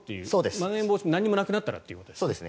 まん延防止も何もなくなったらということですね。